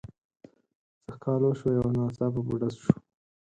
څه ښکالو شوه یو ناڅاپه ډز شو.